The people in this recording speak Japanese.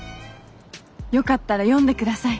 よかったら読んで下さい。